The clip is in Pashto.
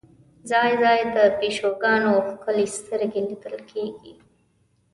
ځای ځای د پیشوګانو ښکلې سترګې لیدل کېږي.